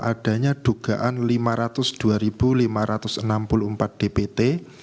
adanya dugaan lima ratus dua lima ratus enam puluh empat dpt